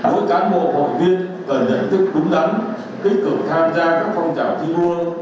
mỗi cán bộ hội viên cần nhận thức đúng đắn tích cực tham gia các phong trào thi đua